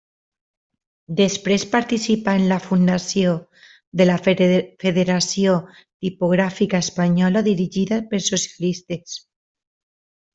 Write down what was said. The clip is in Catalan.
Després participà en la fundació de la Federació Tipogràfica Espanyola, dirigida per socialistes.